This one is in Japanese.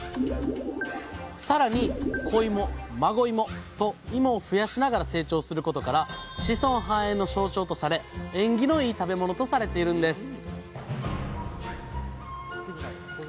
さらに子いも孫いもといもを増やしながら成長することから子孫繁栄の象徴とされ縁起のいい食べ物とされているんです！